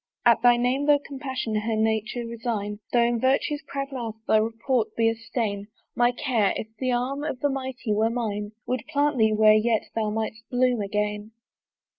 "At thy name though compassion her nature resign, "Though in virtue's proud mouth thy report be a stain, "My care, if the arm of the mighty were mine, "Would plant thee where yet thou might'st blossom again."